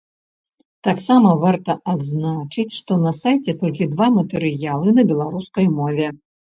Таксама варта адзначыць, што на сайце толькі два матэрыялы на беларускай мове.